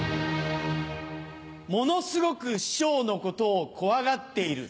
ものすごく師匠のことを怖がっている。